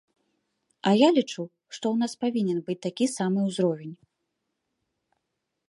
І я лічу, што ў нас павінен быць такі самы ўзровень.